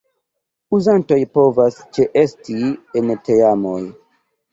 Uzantoj povas ĉeesti en teamoj.